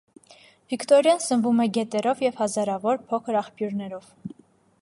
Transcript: Վիկտորիան սնվում է գետերով և հազարավոր փոքր աղբյուրներով։